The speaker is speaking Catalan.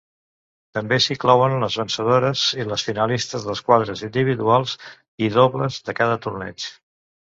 També s'inclouen les vencedores i les finalistes dels quadres individuals i dobles de cada torneig.